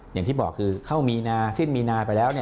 อย่างที่บอกคือเข้ามีนาสิ้นมีนาไปแล้ว